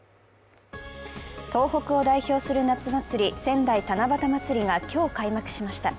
東北を代表する夏祭り、仙台七夕まつりが今日開幕しました。